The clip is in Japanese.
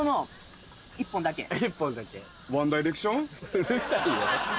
うるさいよ。